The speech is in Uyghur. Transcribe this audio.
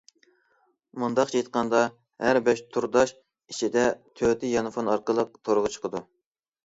مۇنداقچە ئېيتقاندا ھەر بەش تورداش ئىچىدە تۆتى يانفون ئارقىلىق تورغا چىقىدۇ.